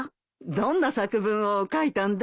どんな作文を書いたんだい？